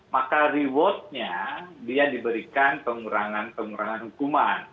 maka reward nya dia diberikan pengurangan pengurangan hukuman